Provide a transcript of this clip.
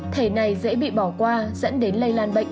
thể này dễ bị bỏ qua dẫn đến lây lan bệnh